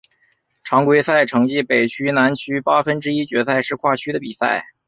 常规赛成绩北区南区八分之一决赛是跨区的比赛。